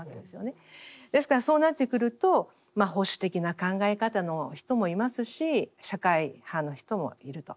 ですからそうなってくると保守的な考え方の人もいますし社会派の人もいると。